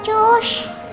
uya harus berhenti